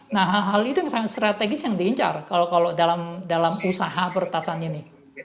nah hal hal itu yang sangat strategis yang diincar kalau dalam usaha pertasan ini